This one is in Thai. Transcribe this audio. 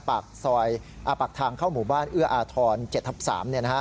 ปากซอยอาปักทางเข้าหมู่บ้านเอื้ออาทร๗ทับ๓เนี่ยนะฮะ